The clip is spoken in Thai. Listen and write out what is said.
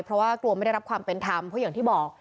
เพราะว่ากลัวไม่ได้รับความเป็นธรรมเพราะอย่างที่บอก